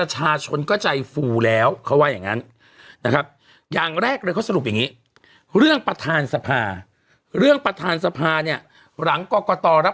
หวานเจี๊ยบอย่างนี้แหละปักฮะ